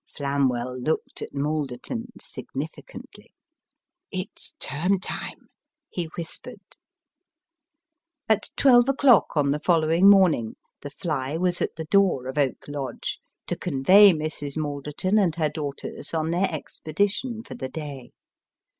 Flamwell looked at Malderton significantly. " It's term time !" he whispered. At twelve o'clock on the following morning, the " fly " was at the door of Oak Lodge, to convey Mrs. Malderton and her daughters on their expedition for the day.